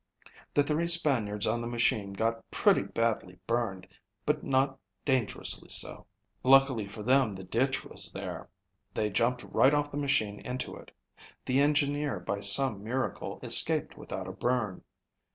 The three Spaniards on the machine got pretty badly burned, but not dangerously so. Luckily for them, the ditch was there. They jumped right off the machine into it. The engineer by some miracle escaped without a burn.